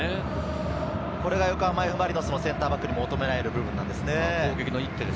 これが横浜Ｆ・マリノスのセンターバックに求められる部分なんですね。